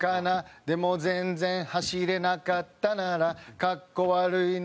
「でも全然走れなかったならかっこ悪いな」